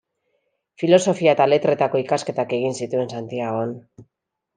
Filosofia eta letretako ikasketak egin zituen Santiagon.